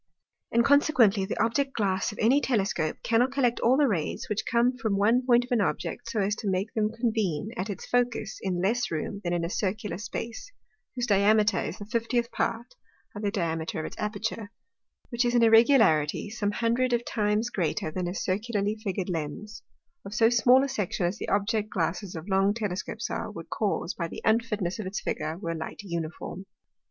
And consequently the Object glass of any Telescope cannot collect all the Rays, which come from one point of an Object, so as to make them convene at its Focus in less room than in a Circular space, whose Diameter is the fiftieth part of the Diameter of its Aperture; which is an irregularity, some hundred of times greater, than a circularly figur'd Lens, of so small a section as the Object glasses of long Telescopes are, would cause by the unfitness of its Figure, were Light uniform.